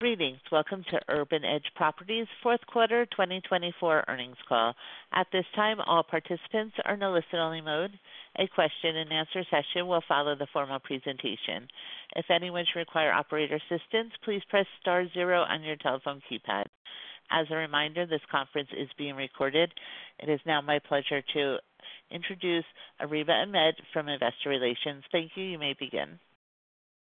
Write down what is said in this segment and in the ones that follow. Greetings. Welcome to Urban Edge Properties' Fourth Quarter 2024 Earnings Call. At this time, all participants are in a listen-only mode. A question-and-answer session will follow the formal presentation. If anyone should require operator assistance, please press star zero on your telephone keypad. As a reminder, this conference is being recorded. It is now my pleasure to introduce Areeba Ahmed from Investor Relations. Thank you. You may begin.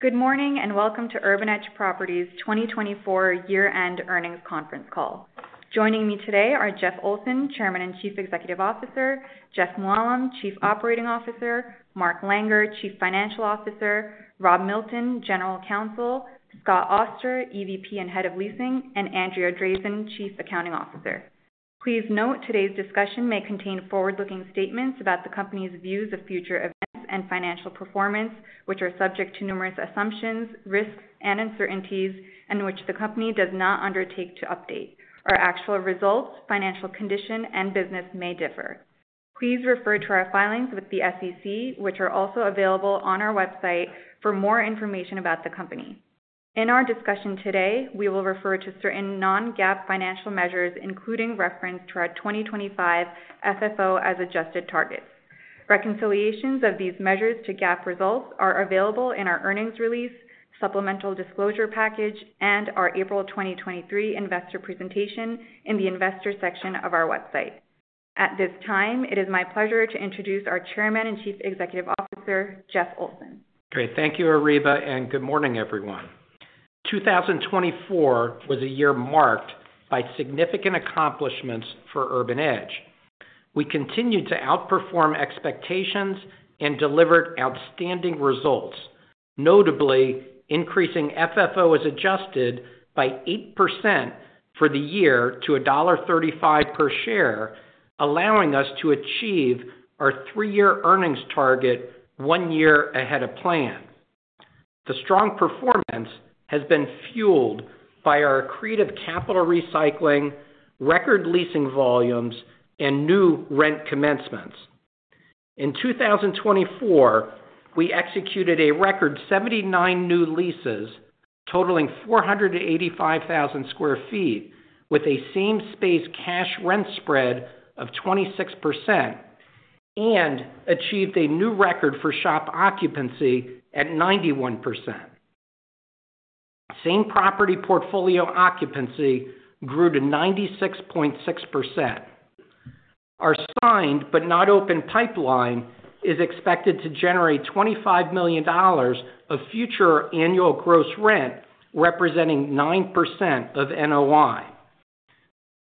Good morning and welcome to Urban Edge Properties' 2024 year-end earnings conference call. Joining me today are Jeff Olson, Chairman and Chief Executive Officer; Jeff Mooallem, Chief Operating Officer; Mark Langer, Chief Financial Officer; Rob Milton, General Counsel; Scott Auster, EVP and Head of Leasing; and Andrea Drazin, Chief Accounting Officer. Please note today's discussion may contain forward-looking statements about the company's views of future events and financial performance, which are subject to numerous assumptions, risks, and uncertainties, and which the company does not undertake to update. Our actual results, financial condition, and business may differ. Please refer to our filings with the SEC, which are also available on our website, for more information about the company. In our discussion today, we will refer to certain non-GAAP financial measures, including reference to our 2025 FFO as adjusted targets. Reconciliations of these measures to GAAP results are available in our earnings release, supplemental disclosure package, and our April 2023 investor presentation in the investor section of our website. At this time, it is my pleasure to introduce our Chairman and Chief Executive Officer, Jeff Olson. Great. Thank you, Areeba, and good morning, everyone. 2024 was a year marked by significant accomplishments for Urban Edge. We continued to outperform expectations and delivered outstanding results, notably increasing FFO as adjusted by 8% for the year to $1.35 per share, allowing us to achieve our three-year earnings target one year ahead of plan. The strong performance has been fueled by our creative capital recycling, record leasing volumes, and new rent commencements. In 2024, we executed a record 79 new leases totaling 485,000 sq ft with a same-space cash rent spread of 26% and achieved a new record for shop occupancy at 91%. Same property portfolio occupancy grew to 96.6%. Our signed but not open pipeline is expected to generate $25 million of future annual gross rent, representing 9% of NOI.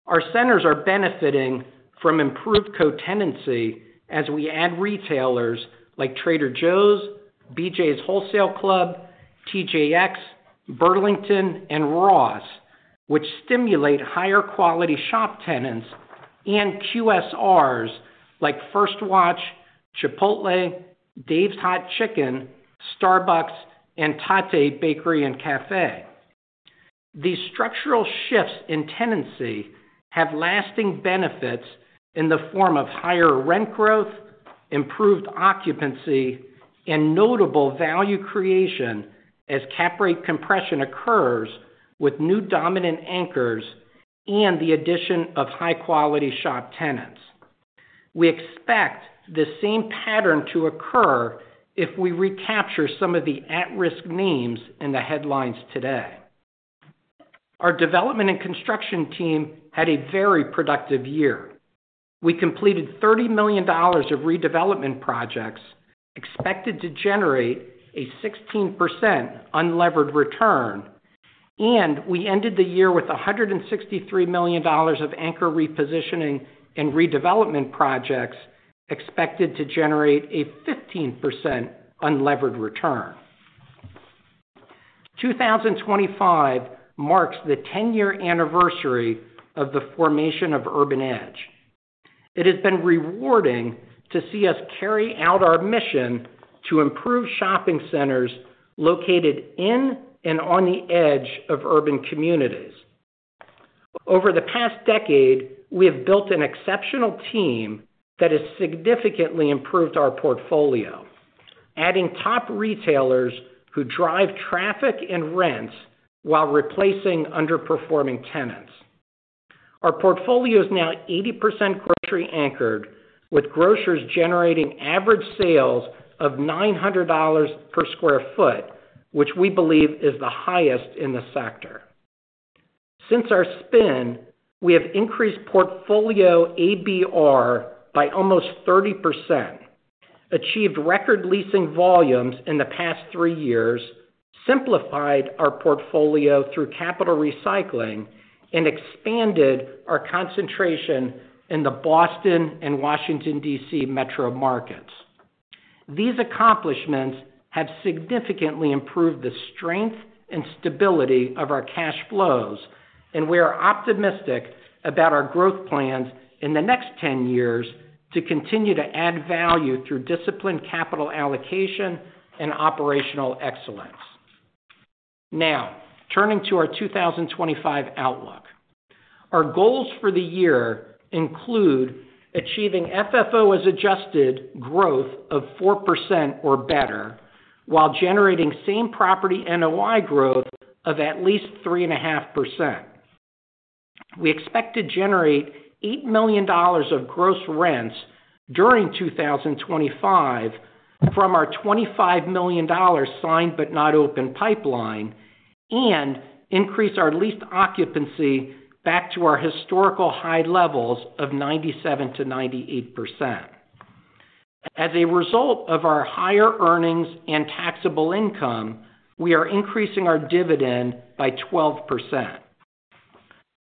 Our centers are benefiting from improved co-tenancy as we add retailers like Trader Joe's, BJ's Wholesale Club, TJX, Burlington, and Ross, which stimulate higher-quality shop tenants and QSRs like First Watch, Chipotle, Dave's Hot Chicken, Starbucks, and Tatte Bakery & Cafe. These structural shifts in tenancy have lasting benefits in the form of higher rent growth, improved occupancy, and notable value creation as cap rate compression occurs with new dominant anchors and the addition of high-quality shop tenants. We expect the same pattern to occur if we recapture some of the at-risk names in the headlines today. Our development and construction team had a very productive year. We completed $30 million of redevelopment projects expected to generate a 16% unlevered return, and we ended the year with $163 million of anchor repositioning and redevelopment projects expected to generate a 15% unlevered return. 2025 marks the 10-year anniversary of the formation of Urban Edge. It has been rewarding to see us carry out our mission to improve shopping centers located in and on the edge of urban communities. Over the past decade, we have built an exceptional team that has significantly improved our portfolio, adding top retailers who drive traffic and rents while replacing underperforming tenants. Our portfolio is now 80% grocery anchored, with grocers generating average sales of $900 per sq ft, which we believe is the highest in the sector. Since our spin, we have increased portfolio ABR by almost 30%, achieved record leasing volumes in the past three years, simplified our portfolio through capital recycling, and expanded our concentration in the Boston and Washington, D.C. metro markets. These accomplishments have significantly improved the strength and stability of our cash flows, and we are optimistic about our growth plans in the next 10 years to continue to add value through disciplined capital allocation and operational excellence. Now, turning to our 2025 outlook, our goals for the year include achieving FFO as adjusted growth of 4% or better while generating same property NOI growth of at least 3.5%. We expect to generate $8 million of gross rents during 2025 from our $25 million signed but not open pipeline and increase our lease occupancy back to our historical high levels of 97%-98%. As a result of our higher earnings and taxable income, we are increasing our dividend by 12%.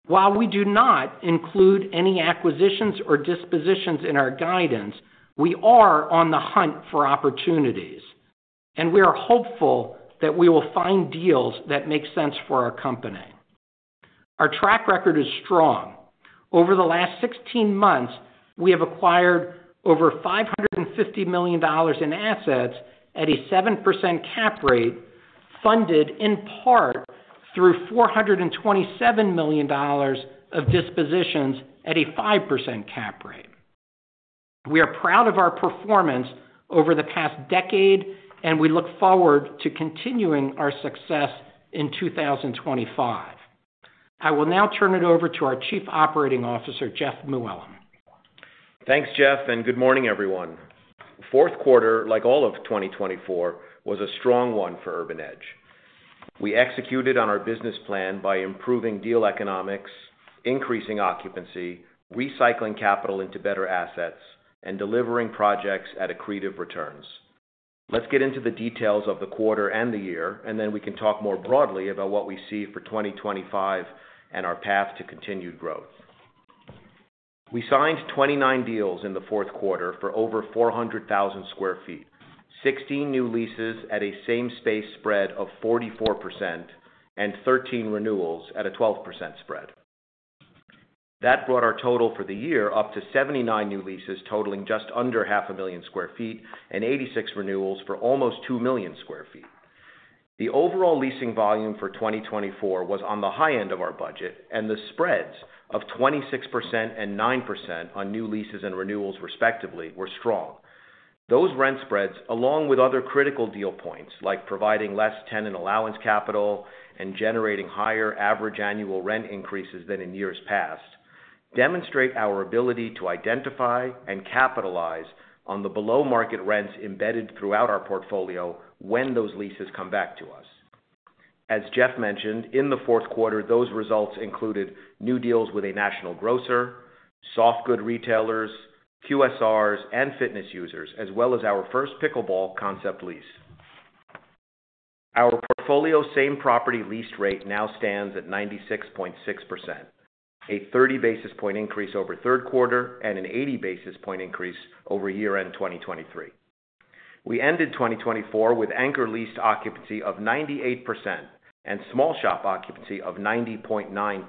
While we do not include any acquisitions or dispositions in our guidance, we are on the hunt for opportunities, and we are hopeful that we will find deals that make sense for our company. Our track record is strong. Over the last 16 months, we have acquired over $550 million in assets at a 7% cap rate, funded in part through $427 million of dispositions at a 5% cap rate. We are proud of our performance over the past decade, and we look forward to continuing our success in 2025. I will now turn it over to our Chief Operating Officer, Jeff Mooallem. Thanks, Jeff, and good morning, everyone. Fourth quarter, like all of 2024, was a strong one for Urban Edge. We executed on our business plan by improving deal economics, increasing occupancy, recycling capital into better assets, and delivering projects at accretive returns. Let's get into the details of the quarter and the year, and then we can talk more broadly about what we see for 2025 and our path to continued growth. We signed 29 deals in the fourth quarter for over 400,000 sq ft, 16 new leases at a same-space spread of 44%, and 13 renewals at a 12% spread. That brought our total for the year up to 79 new leases totaling just under 500,000 sq ft and 86 renewals for almost 2 million sq ft. The overall leasing volume for 2024 was on the high end of our budget, and the spreads of 26% and 9% on new leases and renewals, respectively, were strong. Those rent spreads, along with other critical deal points like providing less tenant allowance capital and generating higher average annual rent increases than in years past, demonstrate our ability to identify and capitalize on the below-market rents embedded throughout our portfolio when those leases come back to us. As Jeff mentioned, in the fourth quarter, those results included new deals with a national grocer, soft good retailers, QSRs, and fitness users, as well as our first pickleball concept lease. Our portfolio same property lease rate now stands at 96.6%, a 30 basis point increase over third quarter and an 80 basis point increase over year-end 2023. We ended 2024 with anchor lease occupancy of 98% and small shop occupancy of 90.9%.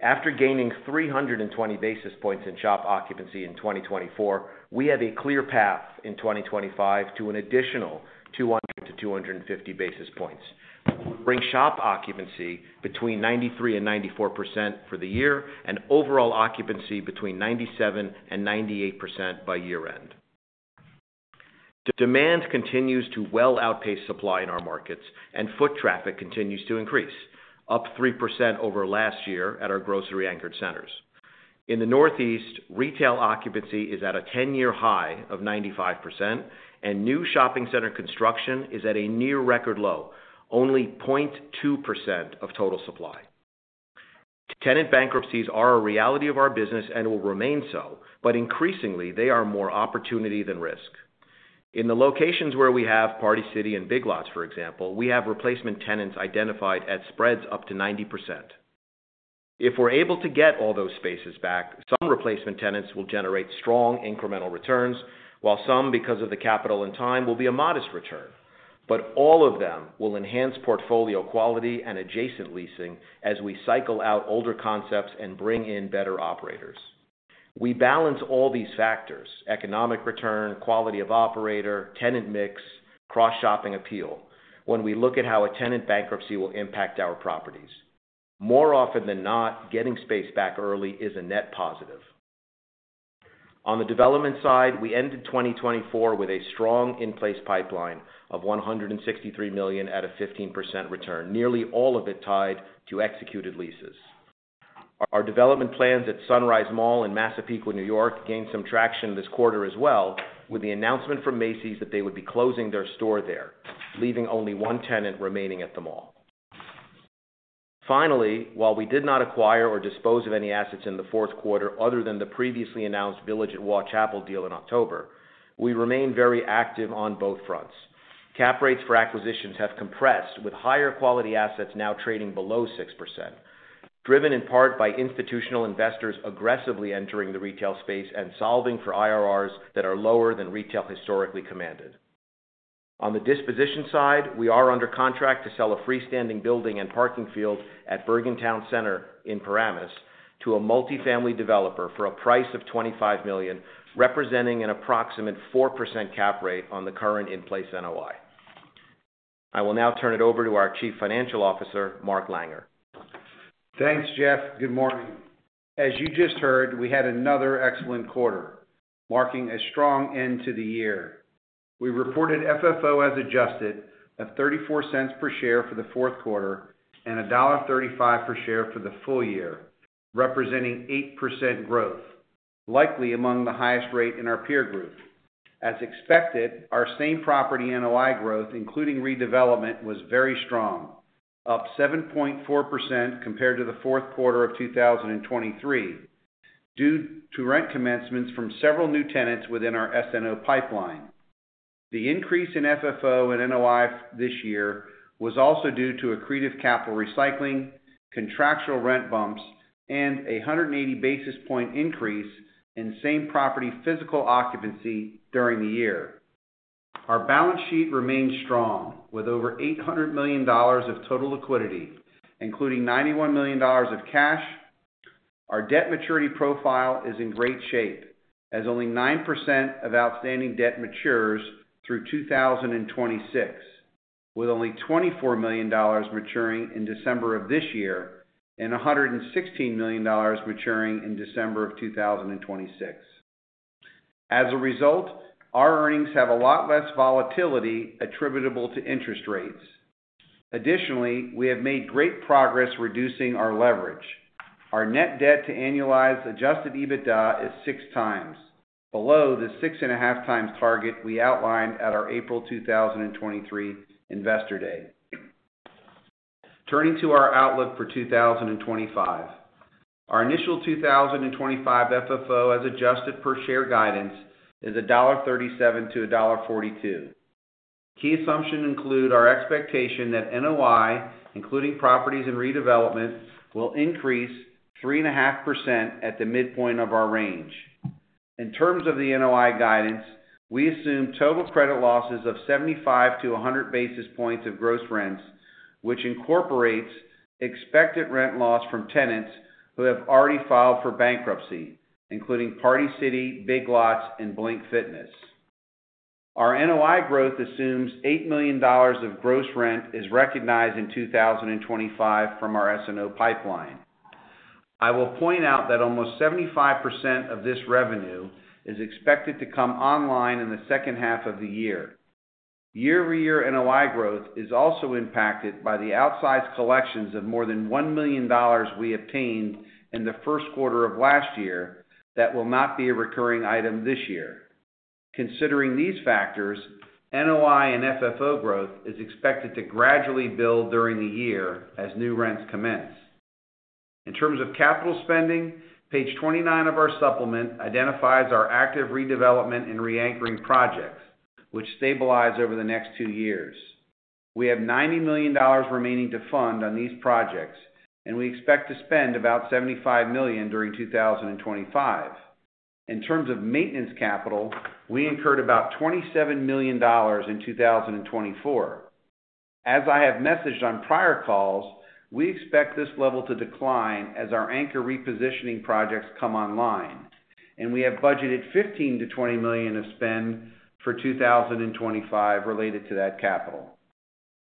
After gaining 320 basis points in shop occupancy in 2024, we have a clear path in 2025 to an additional 200 to 250 basis points. We'll bring shop occupancy between 93% and 94% for the year and overall occupancy between 97% and 98% by year-end. Demand continues to well outpace supply in our markets, and foot traffic continues to increase, up 3% over last year at our grocery-anchored centers. In the northeast, retail occupancy is at a 10-year high of 95%, and new shopping center construction is at a near-record low, only 0.2% of total supply. Tenant bankruptcies are a reality of our business and will remain so, but increasingly, they are more opportunity than risk. In the locations where we have Party City and Big Lots, for example, we have replacement tenants identified at spreads up to 90%. If we're able to get all those spaces back, some replacement tenants will generate strong incremental returns, while some, because of the capital and time, will be a modest return. But all of them will enhance portfolio quality and adjacent leasing as we cycle out older concepts and bring in better operators. We balance all these factors: economic return, quality of operator, tenant mix, cross-shopping appeal when we look at how a tenant bankruptcy will impact our properties. More often than not, getting space back early is a net positive. On the development side, we ended 2024 with a strong in-place pipeline of $163 million at a 15% return, nearly all of it tied to executed leases. Our development plans at Sunrise Mall in Massapequa, New York, gained some traction this quarter as well with the announcement from Macy's that they would be closing their store there, leaving only one tenant remaining at the mall. Finally, while we did not acquire or dispose of any assets in the fourth quarter other than the previously announced Village at Waugh Chapel deal in October, we remain very active on both fronts. Cap rates for acquisitions have compressed, with higher-quality assets now trading below 6%, driven in part by institutional investors aggressively entering the retail space and solving for IRRs that are lower than retail historically commanded. On the disposition side, we are under contract to sell a freestanding building and parking field at Bergen Town Center in Paramus to a multi-family developer for a price of $25 million, representing an approximate 4% cap rate on the current in-place NOI. I will now turn it over to our Chief Financial Officer, Mark Langer. Thanks, Jeff. Good morning. As you just heard, we had another excellent quarter, marking a strong end to the year. We reported FFO as adjusted at $0.34 per share for the fourth quarter and $1.35 per share for the full year, representing 8% growth, likely among the highest rate in our peer group. As expected, our same property NOI growth, including redevelopment, was very strong, up 7.4% compared to the fourth quarter of 2023 due to rent commencements from several new tenants within our S&O pipeline. The increase in FFO and NOI this year was also due to accretive capital recycling, contractual rent bumps, and a 180 basis points increase in same property physical occupancy during the year. Our balance sheet remains strong with over $800 million of total liquidity, including $91 million of cash. Our debt maturity profile is in great shape as only 9% of outstanding debt matures through 2026, with only $24 million maturing in December of this year and $116 million maturing in December of 2026. As a result, our earnings have a lot less volatility attributable to interest rates. Additionally, we have made great progress reducing our leverage. Our net debt to annualized adjusted EBITDA is six times, below the 6.5 times target we outlined at our April 2023 Investor Day. Turning to our outlook for 2025, our initial 2025 FFO as adjusted per share guidance is $1.37-$1.42. Key assumptions include our expectation that NOI, including properties in redevelopment, will increase 3.5% at the midpoint of our range. In terms of the NOI guidance, we assume total credit losses of 75-100 basis points of gross rents, which incorporates expected rent loss from tenants who have already filed for bankruptcy, including Party City, Big Lots, and Blink Fitness. Our NOI growth assumes $8 million of gross rent is recognized in 2025 from our S&O pipeline. I will point out that almost 75% of this revenue is expected to come online in the second half of the year. Year-over-year NOI growth is also impacted by the outsized collections of more than $1 million we obtained in the first quarter of last year that will not be a recurring item this year. Considering these factors, NOI and FFO growth is expected to gradually build during the year as new rents commence. In terms of capital spending, page 29 of our supplement identifies our active redevelopment and reanchoring projects, which stabilize over the next two years. We have $90 million remaining to fund on these projects, and we expect to spend about $75 million during 2025. In terms of maintenance capital, we incurred about $27 million in 2024. As I have messaged on prior calls, we expect this level to decline as our anchor repositioning projects come online, and we have budgeted $15-$20 million of spend for 2025 related to that capital.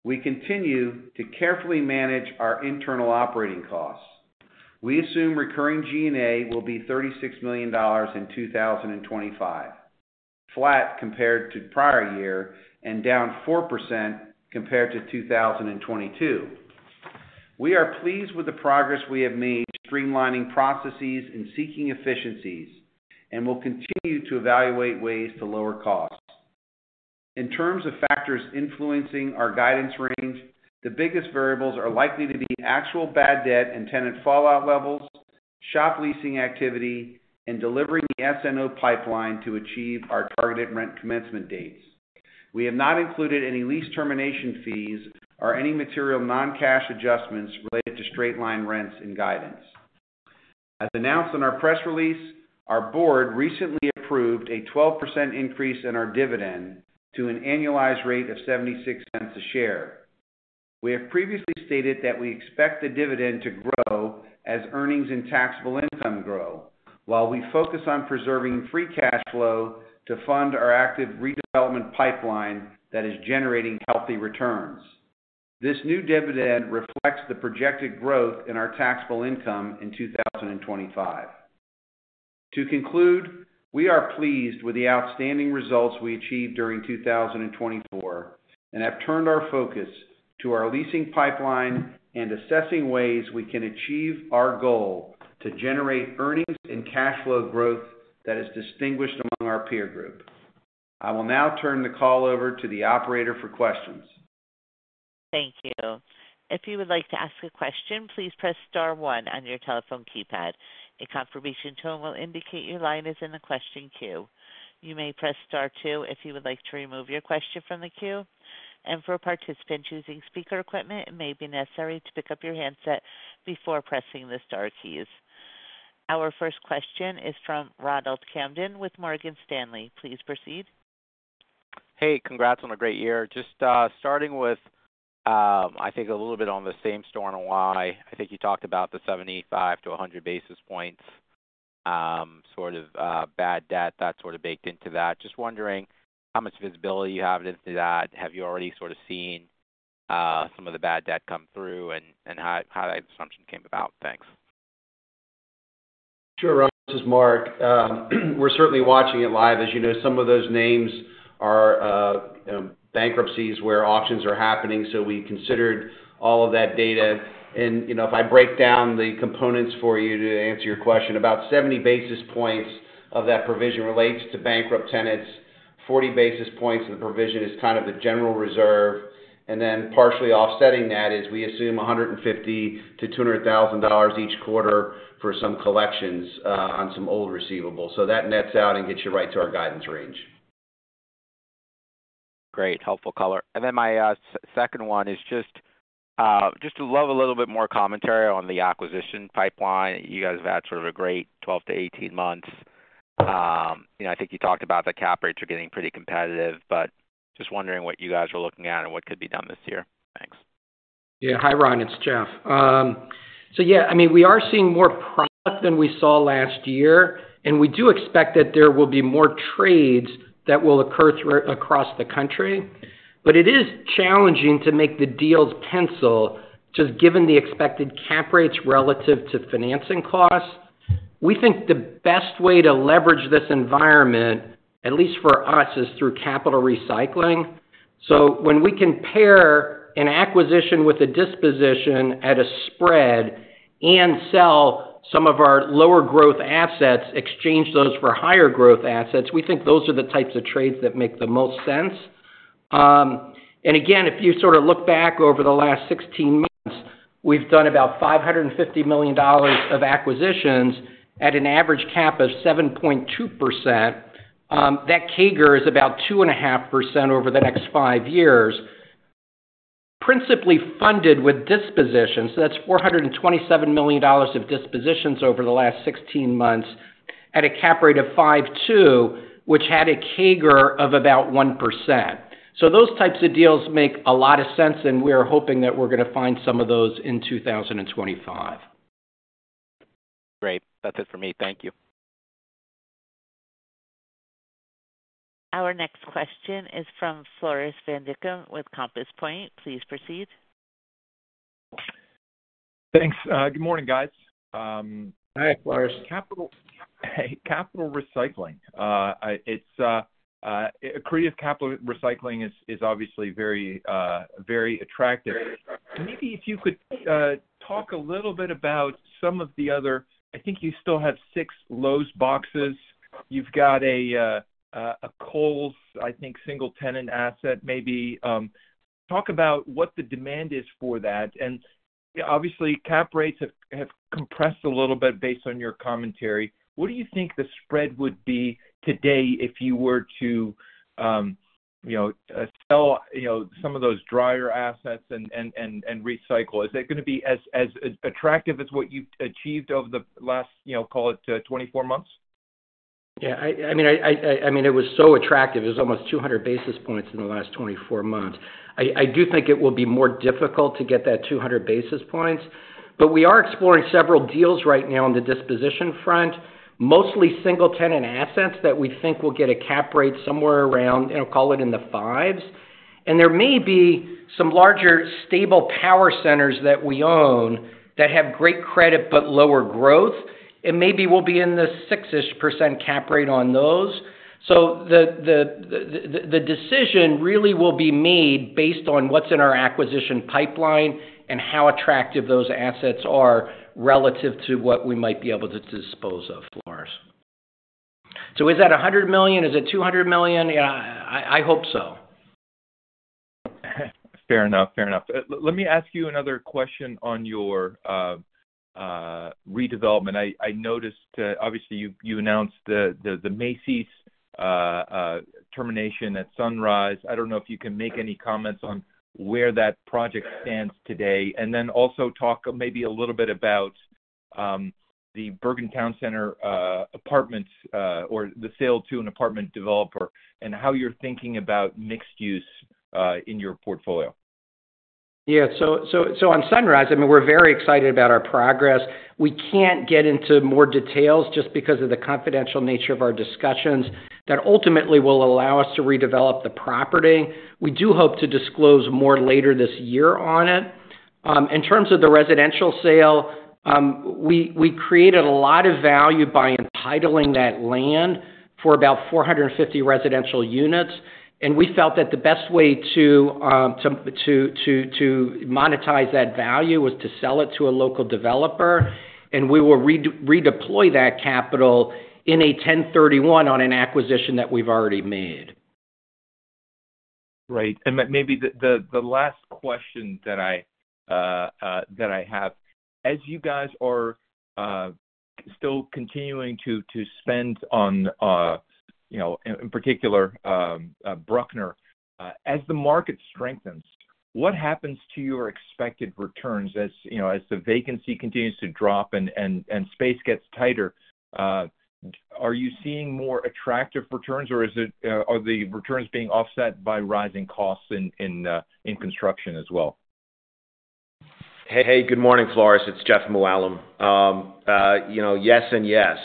We continue to carefully manage our internal operating costs. We assume recurring G&A will be $36 million in 2025, flat compared to the prior year and down 4% compared to 2022. We are pleased with the progress we have made streamlining processes and seeking efficiencies, and we'll continue to evaluate ways to lower costs. In terms of factors influencing our guidance range, the biggest variables are likely to be actual bad debt and tenant fallout levels, shop leasing activity, and delivering the S&O pipeline to achieve our targeted rent commencement dates. We have not included any lease termination fees or any material non-cash adjustments related to straight-line rents in guidance. As announced in our press release, our board recently approved a 12% increase in our dividend to an annualized rate of $0.76 a share. We have previously stated that we expect the dividend to grow as earnings and taxable income grow, while we focus on preserving free cash flow to fund our active redevelopment pipeline that is generating healthy returns. This new dividend reflects the projected growth in our taxable income in 2025. To conclude, we are pleased with the outstanding results we achieved during 2024 and have turned our focus to our leasing pipeline and assessing ways we can achieve our goal to generate earnings and cash flow growth that is distinguished among our peer group. I will now turn the call over to the operator for questions. Thank you. If you would like to ask a question, please press Star one on your telephone keypad. A confirmation tone will indicate your line is in the question queue. You may press Star two if you would like to remove your question from the queue. And for participants using speaker equipment, it may be necessary to pick up your handset before pressing the Star keys. Our first question is from Ronald Kamdem with Morgan Stanley. Please proceed. Hey, congrats on a great year. Just starting with, I think, a little bit on the same story on NOI. I think you talked about the 75-100 basis points, sort of bad debt, that sort of baked into that. Just wondering how much visibility you have into that. Have you already sort of seen some of the bad debt come through and how that assumption came about? Thanks. Sure, this is Mark. We're certainly watching it live. As you know, some of those names are bankruptcies where auctions are happening, so we considered all of that data. If I break down the components for you to answer your question, about 70 basis points of that provision relates to bankrupt tenants, 40 basis points of the provision is kind of the general reserve. Then partially offsetting that is we assume $150,000-$200,000 each quarter for some collections on some old receivables. That nets out and gets you right to our guidance range. Great. Helpful color. And then my second one is just to hear a little bit more commentary on the acquisition pipeline. You guys have had sort of a great 12-18 months. I think you talked about the cap rates are getting pretty competitive, but just wondering what you guys are looking at and what could be done this year. Thanks. Yeah. Hi, Ron. It's Jeff. So yeah, I mean, we are seeing more product than we saw last year, and we do expect that there will be more trades that will occur across the country. But it is challenging to make the deals pencil just given the expected cap rates relative to financing costs. We think the best way to leverage this environment, at least for us, is through capital recycling. So when we can pair an acquisition with a disposition at a spread and sell some of our lower growth assets, exchange those for higher growth assets, we think those are the types of trades that make the most sense. And again, if you sort of look back over the last 16 months, we've done about $550 million of acquisitions at an average cap of 7.2%. That CAGR is about 2.5% over the next five years. Principally funded with dispositions, so that's $427 million of dispositions over the last 16 months at a cap rate of 5.2, which had a CAGR of about 1%. So those types of deals make a lot of sense, and we are hoping that we're going to find some of those in 2025. Great. That's it for me. Thank you. Our next question is from Floris van Dijkum with Compass Point. Please proceed. Thanks. Good morning, guys. Hi, Flores. Capital recycling. Accretive capital recycling is obviously very attractive. Maybe if you could talk a little bit about some of the other, I think you still have six Lowe's boxes. You've got a Kohl's, I think, single-tenant asset, maybe. Talk about what the demand is for that. And obviously, cap rates have compressed a little bit based on your commentary. What do you think the spread would be today if you were to sell some of those drier assets and recycle? Is it going to be as attractive as what you've achieved over the last, call it, 24 months? Yeah. I mean, it was so attractive. It was almost 200 basis points in the last 24 months. I do think it will be more difficult to get that 200 basis points. But we are exploring several deals right now on the disposition front, mostly single-tenant assets that we think will get a cap rate somewhere around, call it, in the 5s. And there may be some larger stable power centers that we own that have great credit but lower growth. And maybe we'll be in the 6-ish% cap rate on those. So the decision really will be made based on what's in our acquisition pipeline and how attractive those assets are relative to what we might be able to dispose of, Floris. So is that $100 million? Is it $200 million? I hope so. Fair enough. Fair enough. Let me ask you another question on your redevelopment. I noticed, obviously, you announced the Macy's termination at Sunrise. I don't know if you can make any comments on where that project stands today, and then also talk maybe a little bit about the Bergen Town Center apartments or the sale to an apartment developer and how you're thinking about mixed-use in your portfolio. Yeah. So on Sunrise, I mean, we're very excited about our progress. We can't get into more details just because of the confidential nature of our discussions that ultimately will allow us to redevelop the property. We do hope to disclose more later this year on it. In terms of the residential sale, we created a lot of value by entitling that land for about 450 residential units. We felt that the best way to monetize that value was to sell it to a local developer. We will redeploy that capital in a 1031 on an acquisition that we've already made. Great. And maybe the last question that I have, as you guys are still continuing to spend on, in particular, Bruckner, as the market strengthens, what happens to your expected returns as the vacancy continues to drop and space gets tighter? Are you seeing more attractive returns, or are the returns being offset by rising costs in construction as well? Hey, good morning, Floris. It's Jeff Mooallem. Yes and yes.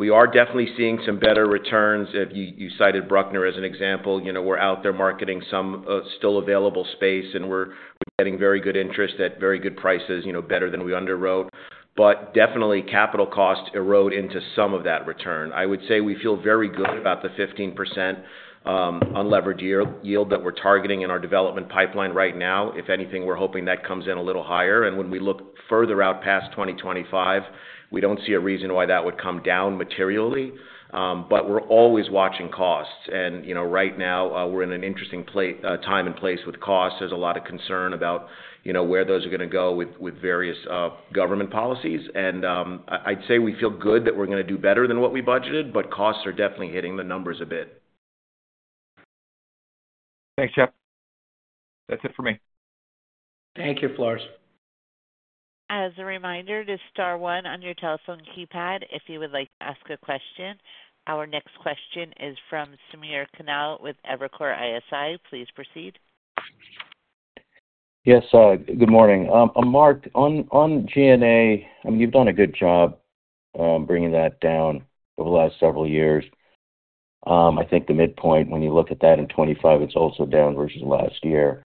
We are definitely seeing some better returns. You cited Bruckner as an example. We're out there marketing some still available space, and we're getting very good interest at very good prices, better than we underwrote. But definitely, capital costs erode into some of that return. I would say we feel very good about the 15% unleveraged yield that we're targeting in our development pipeline right now. If anything, we're hoping that comes in a little higher. And when we look further out past 2025, we don't see a reason why that would come down materially. But we're always watching costs. And right now, we're in an interesting time and place with costs. There's a lot of concern about where those are going to go with various government policies. I'd say we feel good that we're going to do better than what we budgeted, but costs are definitely hitting the numbers a bit. Thanks, Jeff. That's it for me. Thank you, Floris. As a reminder, this is Star one on your telephone keypad if you would like to ask a question. Our next question is from Samir Khanal with Evercore ISI. Please proceed. Yes, good morning. Mark, on G&A, I mean, you've done a good job bringing that down over the last several years. I think the midpoint, when you look at that in 2025, it's also down versus last year.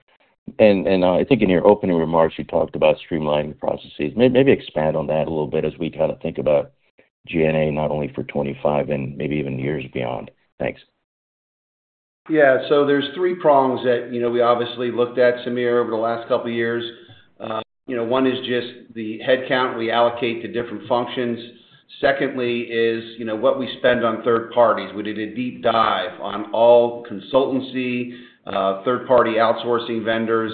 And I think in your opening remarks, you talked about streamlining processes. Maybe expand on that a little bit as we kind of think about G&A not only for 2025 and maybe even years beyond. Thanks. Yeah. So there's three prongs that we obviously looked at, Samir, over the last couple of years. One is just the headcount we allocate to different functions. Secondly is what we spend on third parties. We did a deep dive on all consultancy, third-party outsourcing vendors,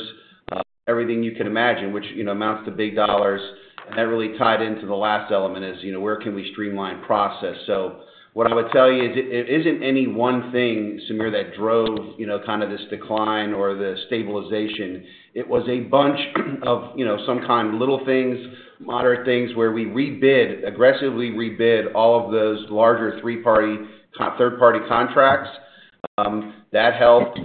everything you can imagine, which amounts to big dollars. And that really tied into the last element, which is where we can streamline process. So what I would tell you is it isn't any one thing, Samir, that drove kind of this decline or the stabilization. It was a bunch of some kind of little things, moderate things, where we rebid, aggressively rebid all of those larger third-party contracts. That helped.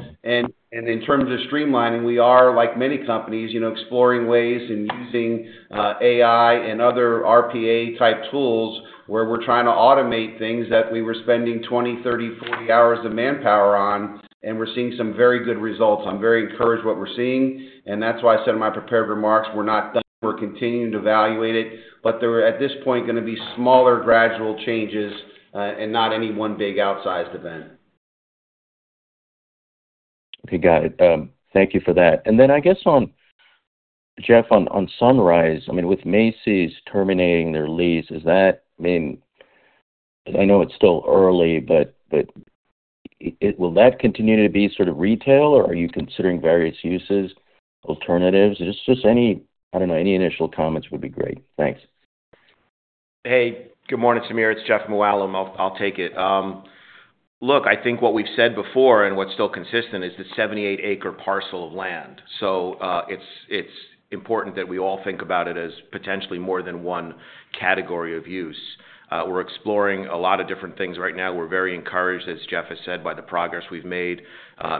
And in terms of streamlining, we are, like many companies, exploring ways and using AI and other RPA-type tools where we're trying to automate things that we were spending 20, 30, 40 hours of manpower on, and we're seeing some very good results. I'm very encouraged by what we're seeing. And that's why I said in my prepared remarks, we're not done. We're continuing to evaluate it. But there were, at this point, going to be smaller gradual changes and not any one big outsized event. Okay. Got it. Thank you for that. And then I guess, Jeff, on Sunrise, I mean, with Macy's terminating their lease, is that, I mean, I know it's still early, but will that continue to be sort of retail, or are you considering various uses, alternatives? Just, I don't know, any initial comments would be great. Thanks. Hey, good morning, Samir. It's Jeff Mooallem. I'll take it. Look, I think what we've said before and what's still consistent is the 78-acre parcel of land. So it's important that we all think about it as potentially more than one category of use. We're exploring a lot of different things right now. We're very encouraged, as Jeff has said, by the progress we've made.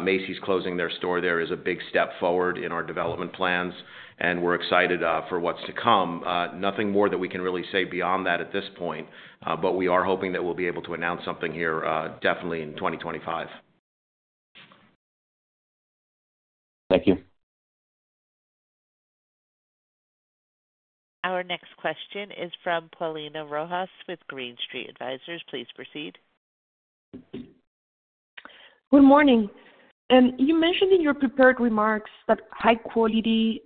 Macy's closing their store there is a big step forward in our development plans. And we're excited for what's to come. Nothing more that we can really say beyond that at this point. But we are hoping that we'll be able to announce something here definitely in 2025. Thank you. Our next question is from Paulina Rojas with Green Street Advisors. Please proceed. Good morning. And you mentioned in your prepared remarks that high-quality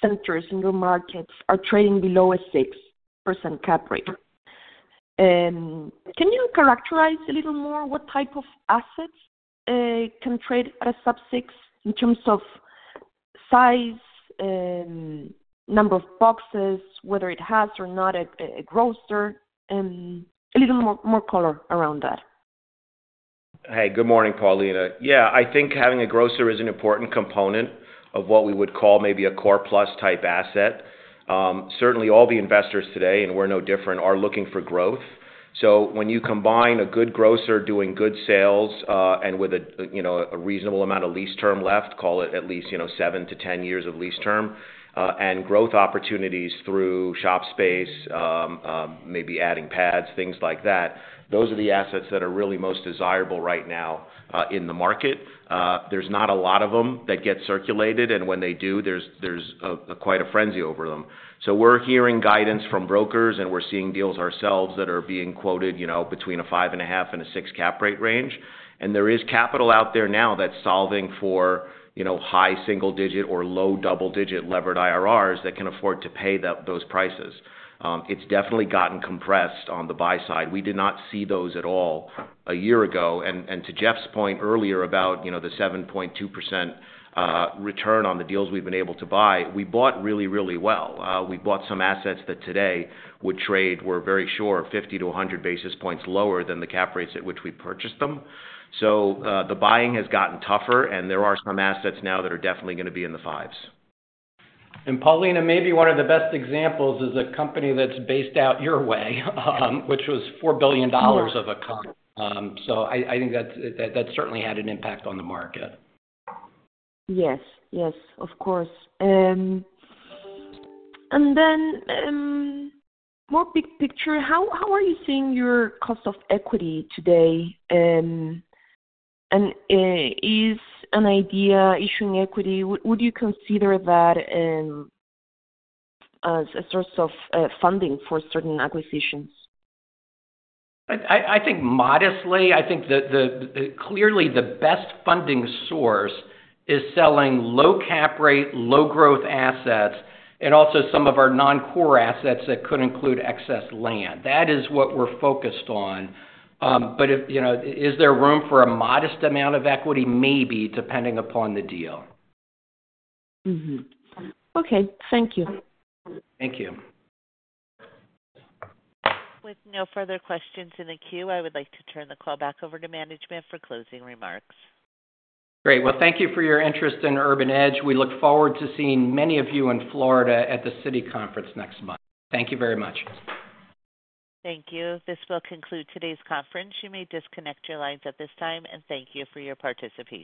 centers in your markets are trading below a 6% cap rate. And can you characterize a little more what type of assets can trade at a sub-6 in terms of size, number of boxes, whether it has or not a grocer, and a little more color around that? Hey, good morning, Paulina. Yeah. I think having a grocer is an important component of what we would call maybe a core-plus type asset. Certainly, all the investors today, and we're no different, are looking for growth. So when you combine a good grocer doing good sales and with a reasonable amount of lease term left, call it at least 7 to 10 years of lease term, and growth opportunities through shop space, maybe adding pads, things like that, those are the assets that are really most desirable right now in the market. There's not a lot of them that get circulated. And when they do, there's quite a frenzy over them. So we're hearing guidance from brokers, and we're seeing deals ourselves that are being quoted between a 5.5 and a 6 cap rate range. And there is capital out there now that's solving for high single-digit or low double-digit levered IRRs that can afford to pay those prices. It's definitely gotten compressed on the buy side. We did not see those at all a year ago. And to Jeff's point earlier about the 7.2% return on the deals we've been able to buy, we bought really, really well. We bought some assets that today would trade, we're very sure, 50-100 basis points lower than the cap rates at which we purchased them. So the buying has gotten tougher, and there are some assets now that are definitely going to be in the 5s. Paulina, maybe one of the best examples is a company that's based out your way, which was $4 billion of a company. I think that's certainly had an impact on the market. Yes. Yes, of course. And then, more big picture, how are you seeing your cost of equity today? And as an idea issuing equity, would you consider that as a source of funding for certain acquisitions? I think modestly. I think clearly the best funding source is selling low cap rate, low growth assets, and also some of our non-core assets that could include excess land. That is what we're focused on. But is there room for a modest amount of equity? Maybe, depending upon the deal. Okay. Thank you. Thank you. With no further questions in the queue, I would like to turn the call back over to management for closing remarks. Great. Well, thank you for your interest in Urban Edge. We look forward to seeing many of you in Florida at the Citi conference next month. Thank you very much. Thank you. This will conclude today's conference. You may disconnect your lines at this time. And thank you for your participation.